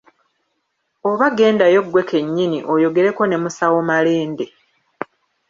Oba gendayo gwe kennyini oyogereko ne musawo Malende.